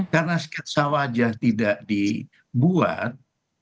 karena sketsa wajah tidak dibuat